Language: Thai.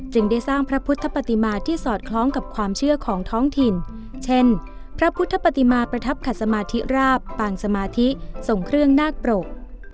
ได้สร้างพระพุทธปฏิมาที่สอดคล้องกับความเชื่อของท้องถิ่นเช่นพระพุทธปฏิมาประทับขัดสมาธิราบปางสมาธิส่งเครื่องนาคปรก